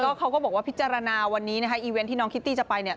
เขาก็บอกว่าพิจารณาวันนี้นะคะอีเวนต์ที่น้องคิตตี้จะไปเนี่ย